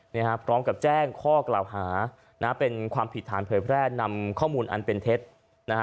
พร้อมกับแจ้งข้อกล่าวหานะเป็นความผิดฐานเผยแพร่นำข้อมูลอันเป็นเท็จนะฮะ